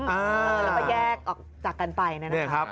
แล้วก็แยกออกจากกันไปนะครับ